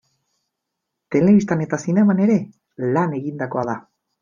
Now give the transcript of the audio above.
Telebistan eta zineman ere lan egindakoa da.